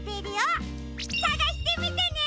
さがしてみてね！